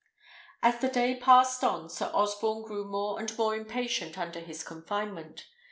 As the day passed on, Sir Osborne grew more and more impatient under his confinement.